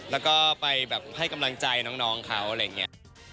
แล้วก็ไปแบบให้กำลังใจน้องเขาอะไรอย่างนี้